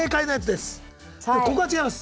でもここは違います。